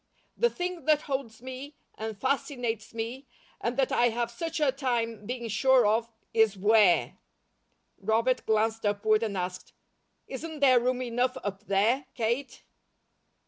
The thing that holds me, and fascinates me, and that I have such a time being sure of, is 'where.'" Robert glanced upward and asked: "Isn't there room enough up there, Kate?"